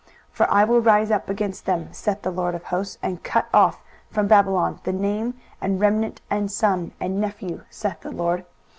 23:014:022 For I will rise up against them, saith the LORD of hosts, and cut off from Babylon the name, and remnant, and son, and nephew, saith the LORD.